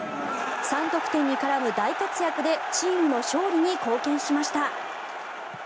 ３得点に絡む大活躍でチームの勝利に貢献しました。